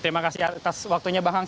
terima kasih atas waktunya bang hang